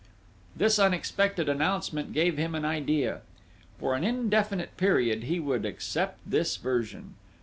This unexpected announcement gave him an idea: for an indefinite period he would accept this version!